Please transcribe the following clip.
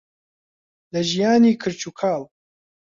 لە ژیانی کرچ و کاڵ.